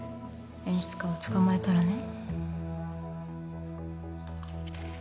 演出家を捕まえたらね